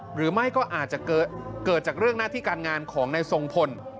หรือไม่ก็อาจจะเกิดจากเรื่องหน้าที่การงานของนายทรงพล